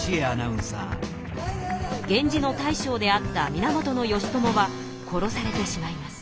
源氏の大将であった源義朝は殺されてしまいます。